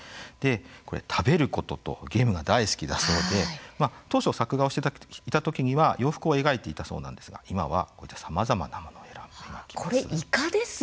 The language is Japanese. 食べることとゲームが大好きだそうで当初、作画をしていた時には洋服を描いていたそうなんですが今は、こういったさまざまなものを選んで描きます。